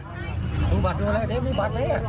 มึงบัตรไว้นี่มีบัตรไหม